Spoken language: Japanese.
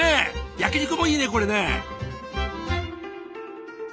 焼き肉もいいねこれね！